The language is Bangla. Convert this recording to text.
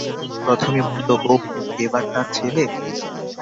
প্রথমে মরলো বউ, এবার তার ছেলে?